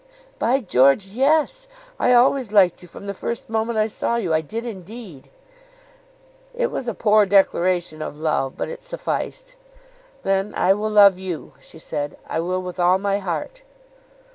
"By George, yes. I always liked you from the first moment I saw you. I did indeed." It was a poor declaration of love, but it sufficed. "Then I will love you," she said. "I will with all my heart."